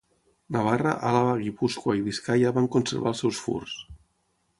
Navarra, Àlaba, Guipúscoa i Biscaia van conservar els seus furs.